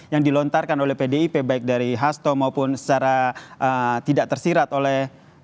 yang dilontarkan oleh pdip baik dari hasto maupun secara tidak tersirat oleh